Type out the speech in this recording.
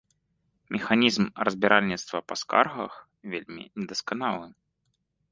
Механізм разбіральніцтва па скаргах вельмі недасканалы.